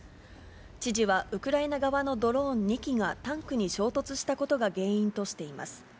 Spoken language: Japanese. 知事はウクライナ側のドローン２機がタンクに衝突したことが原因としています。